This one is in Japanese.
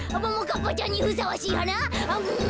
「ももかっぱちゃんにふさわしいはな」